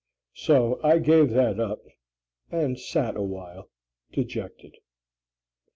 So I gave that up, and sat a while dejected.